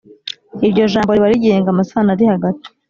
Iryo jambo riba rigenga amasano arihagati